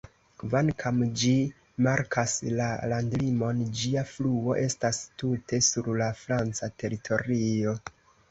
Kvankam ĝi markas la landlimon, ĝia fluo estas tute sur la franca teritorio.